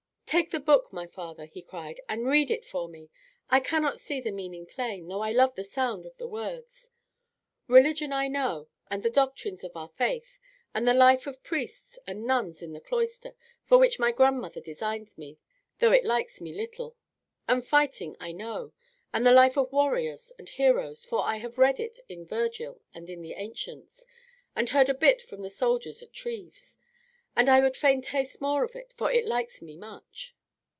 "Take the book, my father," he cried, "and read it for me. I cannot see the meaning plain, though I love the sound of the words. Religion I know, and the doctrines of our faith, and the life of priests and nuns in the cloister, for which my grandmother designs me, though it likes me little. And fighting I know, and the life of warriors and heroes, for I have read of it in Virgil and the ancients, and heard a bit from the soldiers at Treves; and I would fain taste more of it, for it likes me much.